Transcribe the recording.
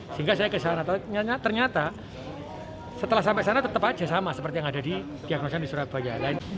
sehingga saya ke sana ternyata setelah sampai sana tetap saja sama seperti yang ada di diagnosa di surabaya